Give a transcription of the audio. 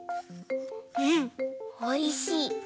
うんおいしい。